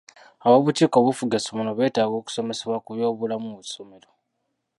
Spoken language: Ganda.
Ab'obukiiko obufuga amasomero beetaaga okusomesebwa ku byobulamu mu ssomero.